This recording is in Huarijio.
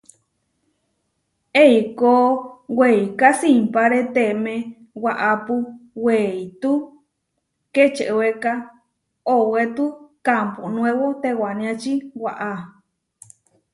Eikó weiká simpáreteme waʼápu weitú Kečewéka, owetú Kámpo Nuébo tewániači waʼá.